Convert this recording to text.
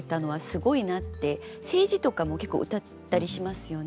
政治とかも結構うたったりしますよね。